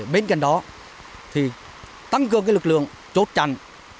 bên cạnh đó thì tăng cường lực lượng chốt chặn